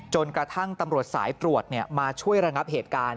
จนกระทั่งตำรวจสายตรวจมาช่วยระงับเหตุการณ์